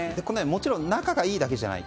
もちろん仲がいいだけじゃない。